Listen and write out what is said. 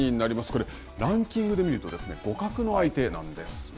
これ、ランキングで見ると互角の相手なんです。